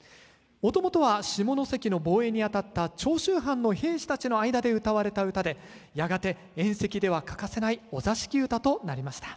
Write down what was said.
もともとは下関の防衛に当たった長州藩の兵士たちの間でうたわれた唄でやがて宴席では欠かせないお座敷唄となりました。